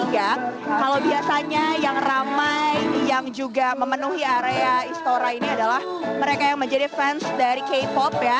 kalau biasanya yang ramai yang juga memenuhi area istora ini adalah mereka yang menjadi fans dari k pop ya